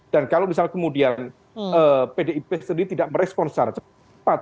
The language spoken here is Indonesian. dan kalau misal kemudian pdip sendiri tidak merespon secara cepat